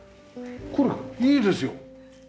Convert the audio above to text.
これいいですよ！